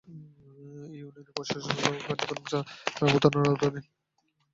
এ ইউনিয়নের প্রশাসনিক কার্যক্রম রামু থানার আওতাধীন।